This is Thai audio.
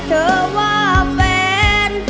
ถ้าเธอว่าแฟน